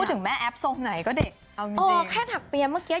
พูดถึงแม่แอฟโซ่ไหนก็เด็กเอาจริงจริงอ๋อแค่ถักเบียนเมื่อกี้